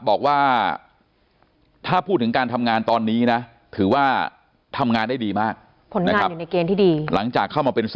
บอกว่าถ้าพูดถึงการทำงานตอนนี้นะถือว่าทำงานได้ดีมาก